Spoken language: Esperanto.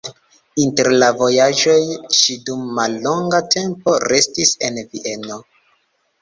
Inter la vojaĝoj ŝi dum mallonga tempo restis en Vieno.